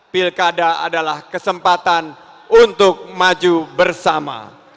pilkada adalah kesempatan untuk maju bersama